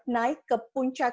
naik ke puncak